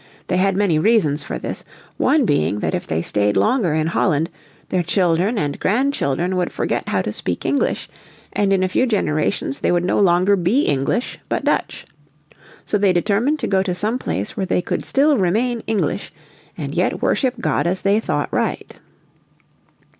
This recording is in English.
They had many reasons for this, one being that if they stayed longer in Holland their children and grandchildren would forget how to speak English, and in a few generations they would no longer be English, but Dutch. So they determined to go to some place where they could still remain English, and yet worship God as they thought right.